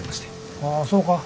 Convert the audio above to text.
ああそうか。